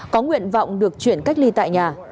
có nguyện vọng được chuyển cách ly tại nhà